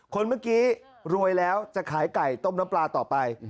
คนเมื่อกี้รวยแล้วจะขายไก่ต้มน้ำปลาต่อไป